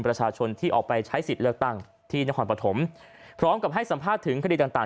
ประชาชนที่ออกไปใช้สิทธิ์เลือกตั้งที่นครปฐมพร้อมกับให้สัมภาษณ์ถึงคดีต่างต่าง